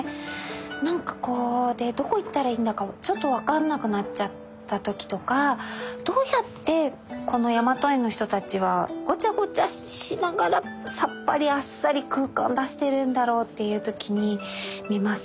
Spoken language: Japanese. なんかこうどこいったらいいんだかちょっと分かんなくなっちゃった時とかどうやってこの「やまと絵」の人たちはごちゃごちゃしながらさっぱりあっさり空間出しているんだろうっていう時に見ますね。